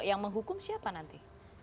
yang menghukum siapa nanti